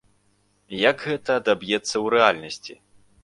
Як гэта адаб'ецца ў рэальнасці?